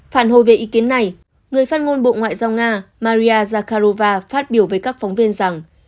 phản hồi về ý kiến này người phát ngôn bộ ngoại giao nga maria zakharova phát biểu với các phóng viên rằng